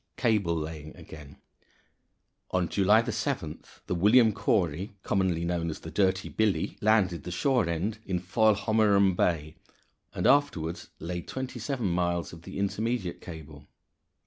Cable Laying again. On July 7th the William Cory commonly known as the Dirty Billy landed the shore end in Foilhommerum Bay, and afterward laid twenty seven miles of the intermediate cable.